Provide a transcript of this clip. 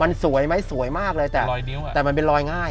มันสวยไหมสวยมากเลยแต่มันเป็นรอยง่าย